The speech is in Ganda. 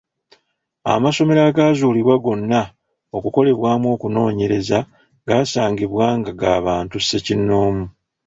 Amasomero agaazuulibwa gonna okukolebwamu okunoonyereza gaasangibwa nga ga bantu ssekinnoomu.